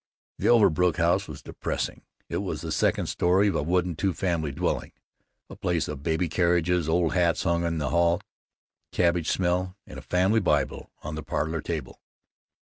The Overbrook house was depressing. It was the second story of a wooden two family dwelling; a place of baby carriages, old hats hung in the hall, cabbage smell, and a Family Bible on the parlor table.